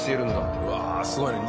うわすごいね。